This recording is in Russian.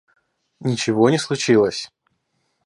Ничего не случилось